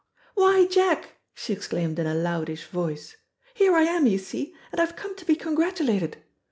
"Why, Jack," she exclaimed in a loudish voice, "here I am, you see, and I have come to be congratulated!